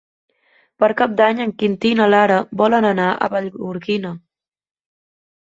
Per Cap d'Any en Quintí i na Lara volen anar a Vallgorguina.